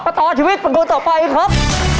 มาต่อชีวิตประกูลต่อไปครับ